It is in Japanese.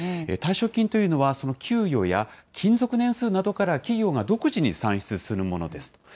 退職金というのは、その給与や勤続年数などから、企業が独自に算出するものです。